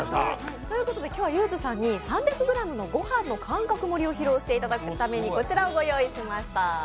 今日はゆーづさんに、３００ｇのごはんの感覚盛りを披露してもらうために、こちらをご用意しました。